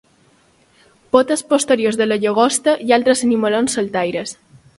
Potes posteriors de la llagosta i altres animalons saltaires.